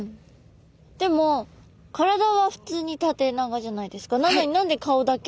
でも体は普通に縦長じゃないですか。